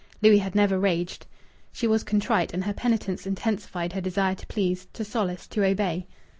Louis had never raged. She was contrite, and her penitence intensified her desire to please, to solace, to obey.